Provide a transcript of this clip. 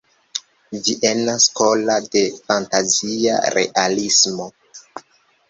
Viena skolo de fantazia realismo.